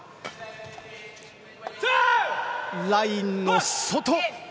ラインの外。